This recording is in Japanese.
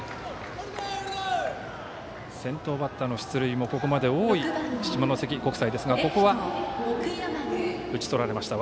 先頭バッターの出塁もここまで多い下関国際ですがここは打ち取られました。